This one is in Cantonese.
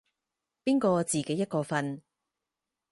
邊個自己一個瞓